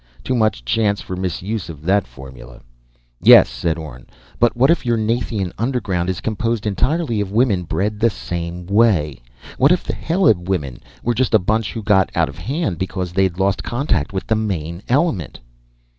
"Too much chance for misuse of that formula." "Yes," said Orne. _"But what if your Nathian underground is composed entirely of women bred the same way? What if the Heleb women were just a bunch who got out of hand because they'd lost contact with the main element?"